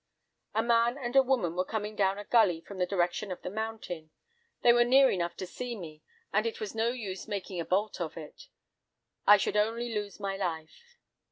"'A man and a woman were coming down a gully from the direction of the mountain; they were near enough to see me, and it was no use making a bolt of it. I should only lose my life.